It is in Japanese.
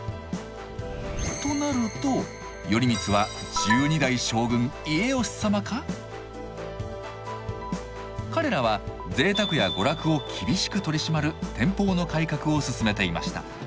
となると頼光は１２代将軍・家慶様か⁉彼らは贅沢や娯楽を厳しく取り締まる天保の改革を進めていました。